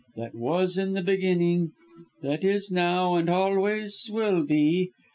That was in the Beginning, that is now and always will be.